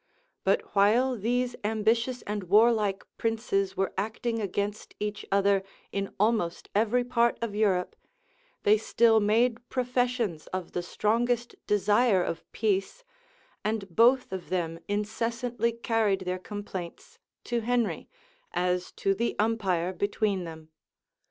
But while these ambitious and warlike princes were acting against each other in almost every part of Europe, they still made professions of the strongest desire of peace; and both of them incessantly carried their complaints to Henry, as to the umpire between them.